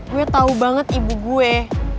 gue tau banget ibu gue